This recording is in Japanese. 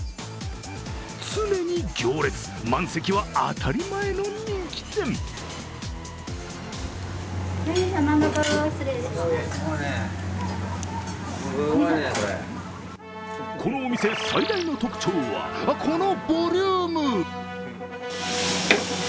常に行列、満席は当たり前の人気店、このお店最大の特徴はこのボリューム。